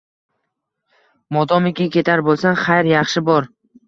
Modomiki ketar bo‘lsang — xayr, yaxshi bor.